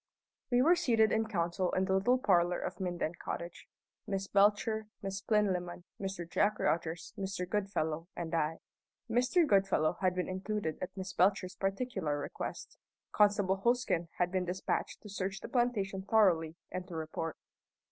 We were seated in council in the little parlour of Minden Cottage Miss Belcher, Miss Plinlimmon, Mr. Jack Rogers, Mr. Goodfellow, and I. Mr. Goodfellow had been included at Miss Belcher's particular request. Constable Hosken had been despatched to search the plantation thoroughly and to report.